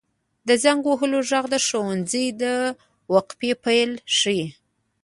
• د زنګ وهلو ږغ د ښوونځي د وقفې پیل ښيي.